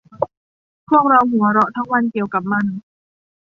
พวกเราหัวเราะทั้งวันเกี่ยวกับมัน